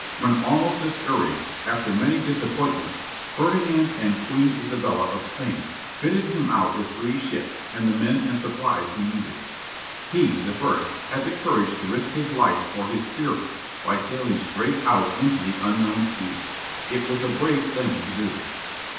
When almost discouraged, after many disappointments, Ferdinand and Queen Isabella of Spain fitted him out with three ships, and the men and supplies he needed. He, the first, had the courage to risk his life for his theory, by sailing straight out into the unknown sea. It was a brave thing to do.